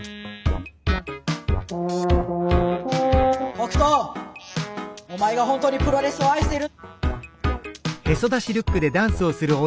北斗お前が本当にプロレスを愛してる。